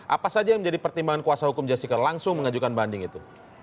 apa saja yang menjadi pertimbangan kuasa hukum jessica langsung mengajukan banding itu